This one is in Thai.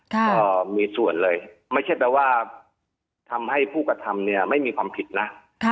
ก็มีส่วนเลยไม่ใช่แปลว่าทำให้ผู้กระทำเนี่ยไม่มีความผิดนะ